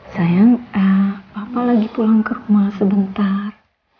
sayang papa lagi pulang ke rumah sebentar